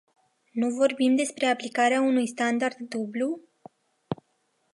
Nu vorbim despre aplicarea unui standard dublu?